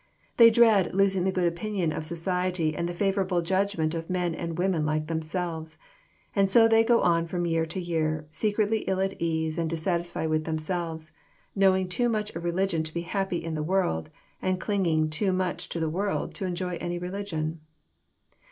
They dread losing the good opinion of society, and the favourable judgment of men and women like themselves. And so they go on from to year to year, secretly ill at ease and dissatisfied with themselves, — ^knowing too much of re ligion to be happy in the world, and clinging too much to the world to enjoy any religion.